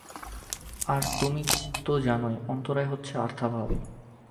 আর তুমি তো জানই, অন্তরায় হচ্ছে অর্থাভাব।